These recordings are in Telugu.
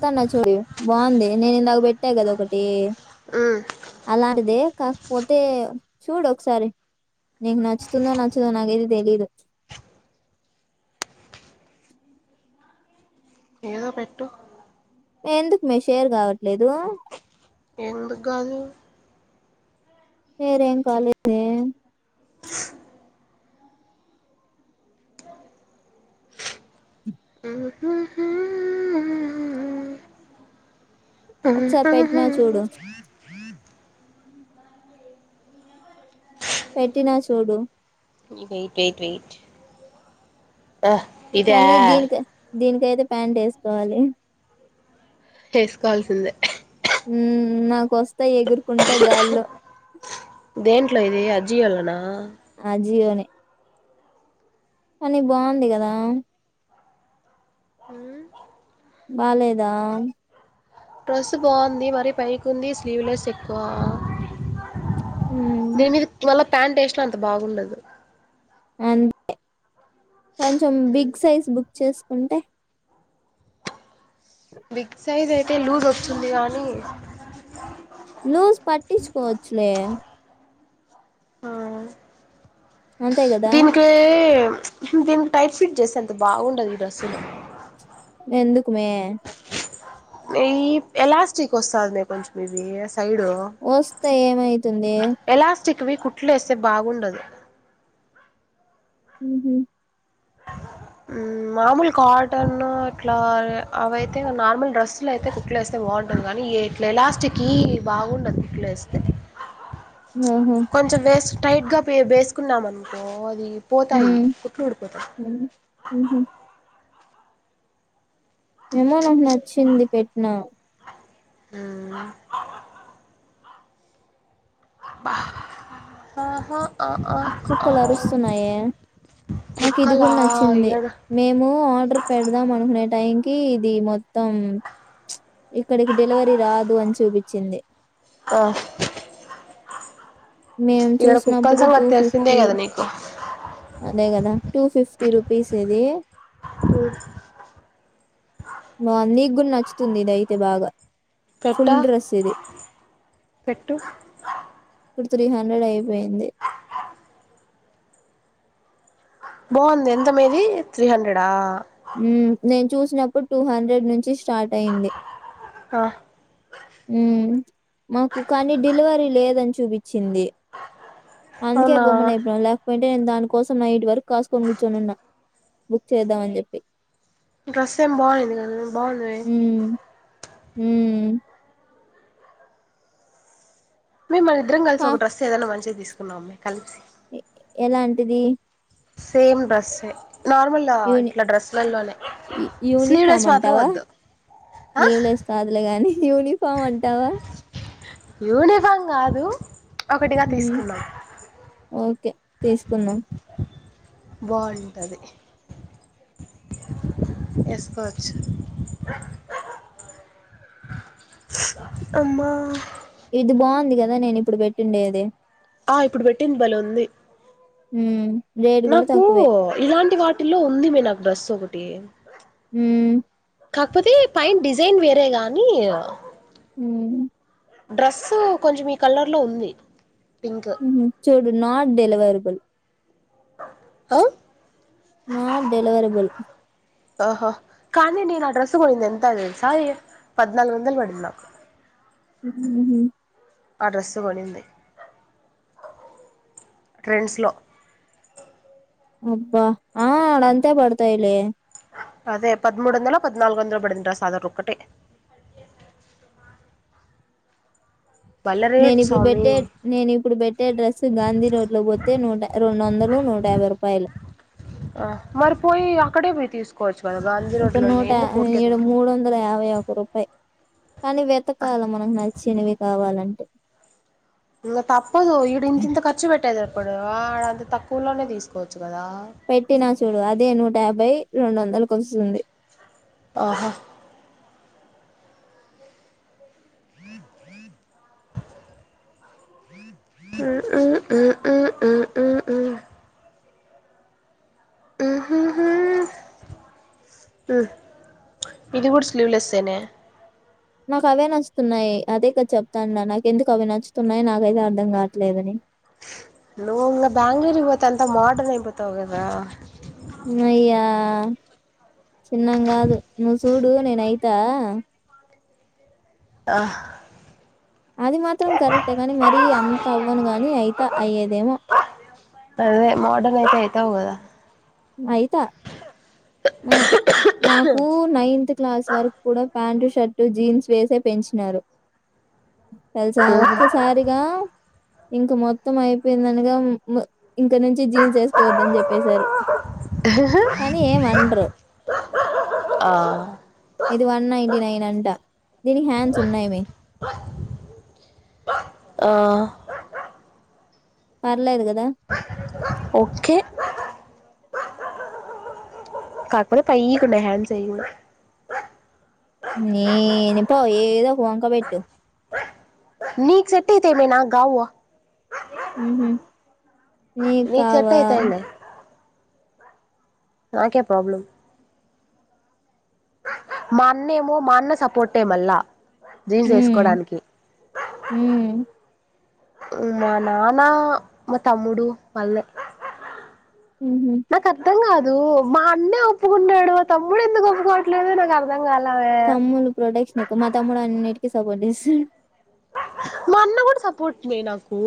చెస్తన్నా చూడు బాగుంది నేను ఇందాక పెట్టా కదా ఒకటి ఉమ్ అలాంటిది క పోతే చూడు ఒకసారి నీకు నచ్చుతుందో నచ్చదో నాకైతే తెలీదు ఏదో పెట్టు ఎందుకు మే షేర్ కావట్లేదు ఎందుకు కాదు శేర్ ఏం కాలేదే ఒకసారి హ్మ పెట్టినా చూడు హ్మ పెట్టినా చూడు వెయిట్ వెయిట్ వెయిట్ హ్ ఇదా దీనికయితే ప్యాంట్ వేసుకోవాలి వేసుకోవాల్సిందే ఉ నాక వస్తాయ్ ఎగురుకుంట గాల్లో దేంట్లో ఇది అజియో లోన అజియో నే కానీ బాగుంది కదా హ్మ్ బాలేదా డ్రెస్ బాగుంది మరి పైకి ఉంది స్లీవ్లెస్ ఎక్కువ ఉమ్, నేనిది [unintelligible] ప్యాంట్ వేస్తే అంత బాగుండదు అంతే కొంచెం బిగ్ సైజ్ బుక్ చేసు ఉంటే బిగ్ సైజ్ అయి తే లూజు వస్తుంది గాని లూస్ పట్టించుకోవచ్చులే ఆ అంతే కదా దీనికి దీనికి టైట్ ఫిట్ చేసాను అది బాగుండదు ఈ డ్రెస్సులో ఎందుకుమే ఏయి ఎలాస్టిక్ వస్తాంది కొంచెం ఇది వస్తే ఏమైతుంది అవి కుట్లేస్తే బాగుండదు ఊహూ హ్మ్ మామూలు కాటను ఇట్లా అ అవైతే నార్మల్ డ్రెస్లు అయితే కుట్లు వేస్తే బావుంటది గానీ ఇట్లా ఎలాస్టిక్కియి బాగుండదు కుట్లు వేస్తే ఆహా కొంచెం వేస్ట్ టైట్ గా పె వేసుకున్నామనుకో అది పోతాయి ఉమ్ కుట్లు ఊడిపోతాయి ఉమ్, ఉహు ఏమో నాకు నచ్చింది పెట్న అ ఆహా ఆ ఆ ఆ కుక్కలు అరుస్తున్నాయే నాకు ఇది కుక్కలా కూడా నచ్చింది ఈడ మేము ఆర్డర్ పెడదాం అనుకునే టైం కీ ఇది మొ మొత్తం ఇక్కడికి డెలివరీ రాదు అని చూపించింది మేము ఈడ కుక్కల చూసినప్పుడు టూ సంగతి తెలిసిందే ఫిఫ్టీ కదా నీకు అదే కదా టూ ఫిఫ్టీ రుపీస్ ఇది హ్మ్ బావుంది నీకు గూడ నచ్చుతుంది ఇది అయితే బాగా పెట్ట ఫుల్ డ్రెస్ ఇది పెట్టు ఇది త్రీ హండ్రెడ్ అయి వేంది బాగుంది ఎంతమ్మా ఇది త్రీ హండ్రెడా మ్మ్ నేను చూసినప్పుడు టూ హండ్రెడ్ నుంచి స్టార్ట్ అయింది ఉమ్మ్ మాకు కానీ డెలివరీ లేదని చూపించింది అందుకే అవునా గమ్మున అయిపోయాం లేకపోయి ఉ నేను దాని కోసం నైట్ వరకు కాసుకొని కూర్చోనున్న బుక్ చేద్దామని చెప్పి డ్రెస్ ఏం బాగుండిది కదా బాగున్నది ఉమ్మ్ మీ మనిద్దరం కలిసి పా ఒక డ్రెస్ ఏదనా మంచిది తీసుకున్నామ్మ కలిసి ఎ ఎలాంటిది సేమ్ డ్రెస్సే నార్మల్ యూని ఇట్లా డ్రెస్సులలోనే యు యూనిఫార్మ్ స్లీవ్లెస్ మాత్రం అంటావా? వద్దు యూనిఫామ్ అంటావా యూనిఫామ్ కాదు ఒకటిగా హ్మ్. తీసుకుందాం ఓకే తీసుకుందాం బాగుంటది వేసుకోవచ్చు అమ్మా ఇది బాగుంది కదా నేను ఇప్పుడు పెట్టిండేది ఆ ఇప్పుడు పెట్టింది బలే ఉంది ఉమ్మ్ నాకు ఇలాంటి వాటి ఇటిలో ఉంది మే నాకు డ్రస్ ఒకటి ఉమ్మ్ కాకపోతే పైన డిజైన్ వేరే గాని ఉ డ్రెస్ కొంచెం ఈ కలర్ లో ఉంది పింక్ ఉహు చూడు నాట్ డెలివరబుల్ ఆ నాట్ డెలివరబుల్ ఓహో కానీ నను అడ్రెస్సు కొనింది ఎంత తెలుసా పధ్నాలుగు వందలు పడింది నాకు మ్మ్ ఆ డ్రెస్సు కొనింది ట్రైన్స్ లో అబ్బా ఆ ఆడ అంతే పడతాయిలే అదే పదమూడు వందల పధ్నాలుగు వందలో పడింది అడ్రస్ ఒకటే నేనిప్పుడు పెట్టే నేనిప్పుడు పెట్టే డ్రెస్ గాంధీ రోడ్లో పోతే నూట రెండు వందలు నూట యాభై రూపాయలు కోచ్ ఇక్కడ నూట ఏడు మూడు వందల యాభై ఒక్క రూపాయి కానీ వెతకాాల మనకు చినవి కావాలంటే ఇం తప్పదు ఇడు ఇంత తింత ర్చు పెట్టేదారు ఇప్పుడు వాడంత తక్కువలోనే తీసుకోవచ్చు కదా పెట్టినా చూడు అదే నూట యాబ్భై రెండు వందలకి వస్తుంది ఆహా ఇది కూడా స్లీవ్లెస్సేనే నాకు అవే నచ్చుతున్నాయి అదేదా చెప్తాండా నాకు ఎందుకు అవి నచ్చుతున్నాయి నాకైతే అర్థం కావట్లేదని నువ బ్యాంగ్ళూర్ ఇవత్ అంత మోడ్రన్ ఇపోతగదా చిన్నంగాదు ను చూడు నేన అయితా ఆ అది మాత్రం కరెక్టే ని మరీ అంత అవ్వను గాని అయిత అయ్యేదేమో అదే మోడర్న్ అయితే అయితావు కదా అయితా నాకు నైన్త్ క్లాస్ వరకు కూడా పంట షర్ట్ జీన్స్ వేసే పెంచినారు తెలుసా ఒక్కసారిగా ఇంక మొత్తం అయిపోయిందనగా ఇంక నుంచి జీన్స్ వేసుకోవద్దని చెప్పే కానీ ఏం వండరు ఆ ఇది వన్ నైటీ నైన్ అంట దీనికి హ్యాండ్స్ ఉన్నాయమ ఆ పర్లేదు కద ఓకే కకపులే పైకుంట హ్యాండ్ చేయ ననిప్పు ఏదో పోవకా పెట్టు నీకు సెట్యితేమే నా గవ్వ నీకు సెట్ నీకావా అయితాయిలే నాక్యా ప్రాబ్లం మన్నేమో మన్న సపోటేమల్లా హ హ మా నానా మా తమ్ముడు మళ్ళ ఉహు మ కదంగా మా అన్నే ఒప్పుకుంటాడు తమ్ముడు ఎందుకు ఒప్పుకోవట్లేదుో నాకు అర్థం కాల తమ్ములు ప్రొడక్షట్స్ ఎకువ మా తమ్ముడు అన్నిటి సబనిసి మా అన్న కూడా సపోర్ట్మే నాకు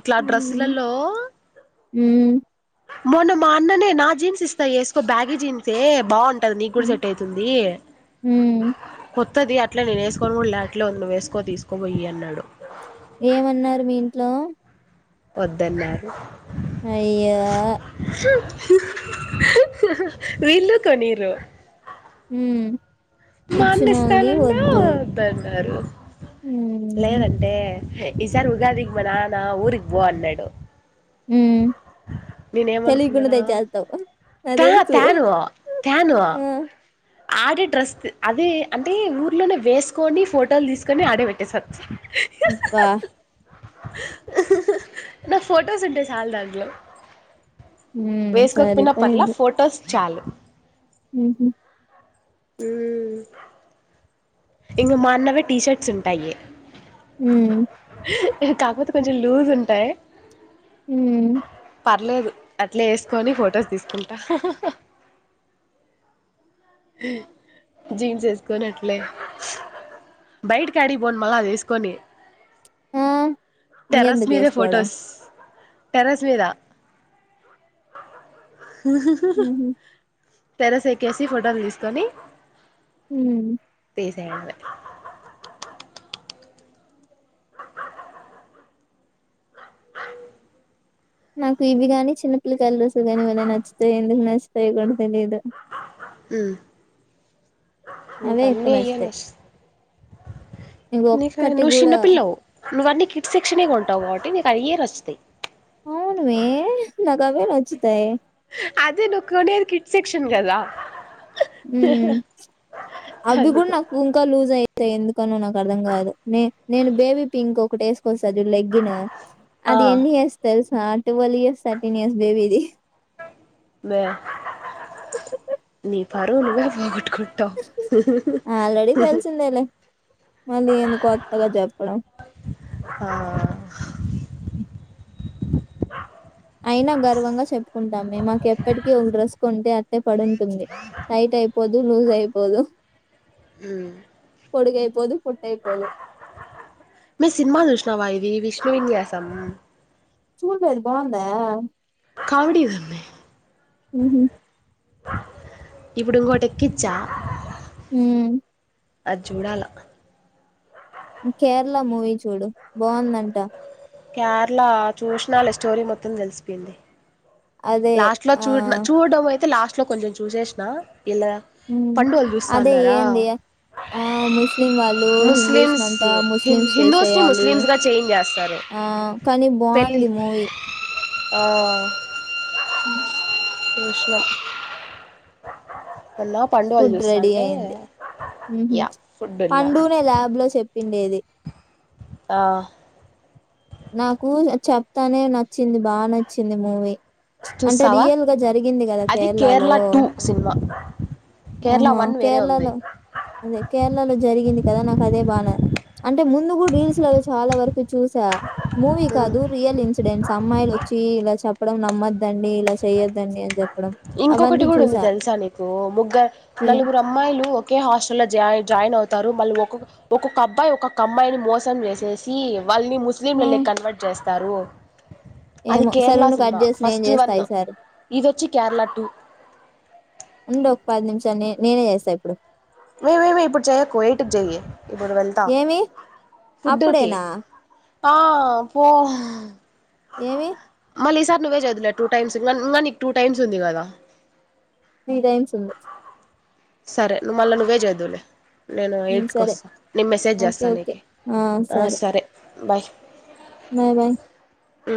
ఇట్లా డ్రస్సులలో హ మొన్న మా అన్ననే నా జీన్స్ ఇస్తాయి వేసుకో బ్యాగ జీన్సే బాగుంటా నీ కూడా ఉమ్. సెట్ అవుతుంది ఉమ్. వస్తుంది అట్లా నేను వేసుకొని కూడా లాట్లోన్న వేసుకో తీసుకోబోయి అన్నాడు ఏమన్నారు మీ ఇంట్లో వద్దన్నారు అయో వీళ్ళు కొనీరు హ మా అడిస్తానన్నాద్దన్నారు ఉమ్ లేదంటే ఈసారి ఉగాదిగ బ నా నా ఊరిగ బో అన్నాన్నాడు హ నేనేమనుకున్నానా చలికున్నదాయి చేస్తావ నా తా తెలుసు తాను తాను ఆ ఆడే డ్రస్ అదే అంటే ఊర్లోనే వేసుకొని ఫోటోలు తీసుకొని ఆడే పెట్టేసారు వా నా ఫటోస్ ఉంటే సల్దాంగ్ ఉమ్ వేసుక పిన్న పర్లే ఫటోస్ చాలు హ హ ఇంక మాన్నవే టీషర్ట్స్ ఉంటాయి హ కాకపోతే కొంచెం లూజ ఉంటాయి హ అట్లేదు అట్లే వేసుకొని ఫొటోస్ తీసుకుంటా జీన్స్ వేసుకొని అట్లే బయటకి అడిగిపోను మళ్ళా అది వేసుకొని ఆ టెరస్ ఇంకెందుకు మీధ వేసుకోవడం ఫోటోస్ టెరస్వేరా ఉ ఉహు తర స ఎకిసి ఫోట ఆర్డర్ తీసుకని హ తీసైంది నాకు ఇవి గాని చిన్నపిల్లకాయల రోజులు గానీ ఇవన్న నచ్చుతాయి ఎందుకు నచ్చుతాయ కూడా తెలియదు ను అవే ఎక్కువ నచ్చుతాయి ఇంక ఒక్కటి నుషన్న కూడా పిల్లా ను క కిట్ శిక్షణగా కొంటావు కాబట్టి నీకు అవియే వస్తాయి అవునువే అదే నొక్కనేది శిక్షన్ కదా మ్మ్ అవి కూడా అందుకే నాకు ఇంకా లూజ్ అయి ఎందుకనో నాకు అర్థం కాదు నే నేను బేబీ పింక్ ఒకటే ఒకసారి లెగ్గిను ఆ అంటే ఎన్ని ఇయర్స్ తెల్సు ఆ టువల్ ఇయర్స్, థర్టీన్ ఇయర్స్ బేబీది నీ పరువు నువ్వే పోగుట్కుం ఆల్రెడీ తెలిసిందేలే మళ్ళీ ఏంది కొత్తగా చెప్పడం ఆ అయినా గర్వంగా చెప్పుకుంటాం మేము మాకు ఎప్పటికి ఒక డ్రెస్ కొంటే అట్టే పడుంటుంది టైట్ అయిపోదు లూజ్ అయిపోదు మ్మ్ పొడుగు అయిపోదు మా సినిమా చూసినావా ఇది ది విష్ణు విన్యాసమా చూడలేదు బాందా కామిడిగుంది మ్మ్ ఇప్పుడు ఇంకోటెక్కించ మ్మ్ అది చూడాల కేరళ మూవీ చూడు బాగుందంటా కేరళ చూసినాలే స్టోరీ మొత్తం తెలిసిపోయింది అదే లాస్ట్ లో ఆ చూడ చూడడం అయితే లాస్ట్ ఇంట్లో కొంచెం చూసేసిన ఇలా పండు వాళ్ళు చూస్తా అదే అన్నారా ఏంది ఆ ముస్లిం వాళ్ళు ముస్లిమ్స్ హిందూస్నంతా హిం- ముస్లిమ్స్ హిందూస్ని చేసేయాలి ముస్లిమ్స్గా చేంజ్ చేస్తారు ఆ కానీ బాగుంది మూవీ ఓ మ్మ్ చూసినా ఫుడ్ రెడీ అయింది. యా ఫుడ్ వెళ్ళాలి పండునే ల్యాబ్ చేసేది పిండేది ఆ నాకు చెప్తానే నచ్చింది బాగా నచ్చింది మూవీ అంటే చూస్తావా రియల్ గా జరిగింది కదా అది కేరళ కేరళలో టూ సినిమా కేరళ ఆహా వన్ వేరే ఉంది కేరళలో అదే కేరళలో జరిగింది కదా నాకు అదే బానే అంటే ముందు కూడా రీల్స్ లో చాలా వరకు చూసా మూవీ కాదు రియల్ ఇన్సిడెంట్స్ అమ్మాయిలు వచ్చి చెప్పడం నమ్మద్దండి ఇంకొకటి అవన్నీ కూడా ఉంది చూసా. తెలుసా నీకు ముగ్గురు, ఏ నలుగురు అమ్మాయిలు ఒకే హాస్టల్ లో జా జాయిన్ అవుతు ారు మళ్ళీ ఒక్క ఒక్కొక్క అబ్బాయి ఒక్కొక్క అమ్మాయిని మోసం చేసేసి వాళ్ళని ఆ! ముస్లింల కన్వర్ట్ చేస్ తరు ఏమో సరే నువ్ కట్ చేసి, నేన్ ఫస్ట్ చేస్తా వన్ ఈ సారి ఇదొచ్చి కేరళ టు ఉండు ఒక నేనే చేస్తా ఇప్పుడు మేమేమి ఇప్పుడు చెయ కోేటకి చెయ్య ఇప్పుడు వెళ్తా ఏమి? ఫుడ్కి అప్పుడేనా? ఆ పో ఏమి మళ్ళీ ఈసారి నువ్వే చదువులేవు టూ టైమ్స్ ఇం ఇంకా నీకు టూ టైమ్స్ ఉంది కదా త్రీ టైమ్స్ ఉంది సరే ను మళ్ళ ను్వేజ్ అయిదులే నేను హ్మ్. ఇంటికి సరే. వస్తాను నేను మెసేజ్ ఓకే. చేస్తాను ఓకే. నీకు ఆ! సరే బాయ్ బాయ్ బాయ్ ఆ